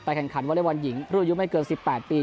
ไปแข่งขันวันเรียนวันหญิงรูปยุ่งไม่เกิน๑๘ปี